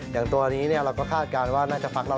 อย่างตัวนี้เราก็คาดการณ์ว่าน่าจะฟักเรา